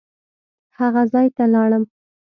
هغه ځای ته لاړم.